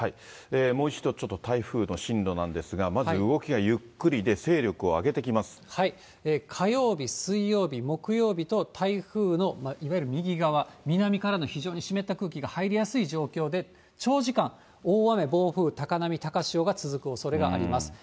もう一度ちょっと、台風の進路なんですが、まず動きがゆっく火曜日、水曜日、木曜日と、台風のいわゆる右側、南からの非常に湿った空気が入りやすい状況で、長時間、大雨、暴風、高波、高潮が続くおそれがあります。